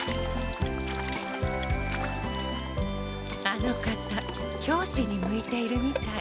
あの方教師に向いているみたい。